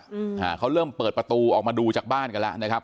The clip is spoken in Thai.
อืมอ่าเขาเริ่มเปิดประตูออกมาดูจากบ้านกันแล้วนะครับ